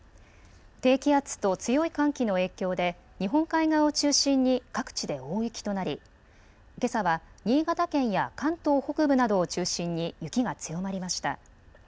低気圧と強い寒気の影響で日本海側を中心に各地で大雪となりけさは新潟県や関東北部などを中心に雪が強まりました。